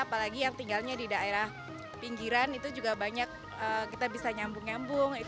apalagi yang tinggalnya di daerah pinggiran itu juga banyak kita bisa nyambung nyambung